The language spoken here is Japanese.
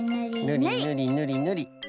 ぬりぬりぬりぬり。